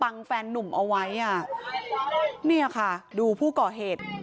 เนี่ยค่ะดูผู้ก่อเหตุ